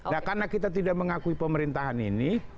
nah karena kita tidak mengakui pemerintahan ini